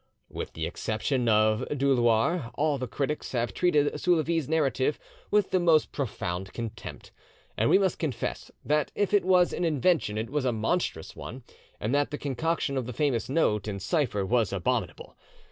With the exception of Dulaure, all the critics have treated Soulavie's narrative with the most profound contempt, and we must confess that if it was an invention it was a monstrous one, and that the concoction of the famous note in cipher was abominable.